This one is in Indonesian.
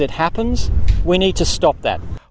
kita harus menghentikan itu